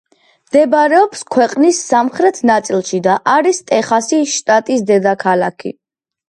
მდებარეობს ქვეყნის სამხრეთ ნაწილში და არის ტეხასის შტატის დედაქალაქი.